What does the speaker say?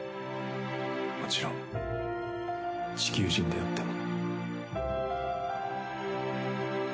もちろん地球人であっても。